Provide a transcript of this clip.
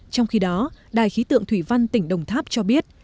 trong khi đó đài khí tượng thủy văn tỉnh đồng tháp cho biết